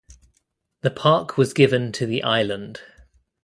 The park was given to the Island.